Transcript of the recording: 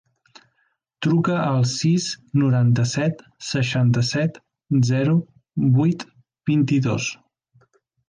Truca al sis, noranta-set, seixanta-set, zero, vuit, vint-i-dos.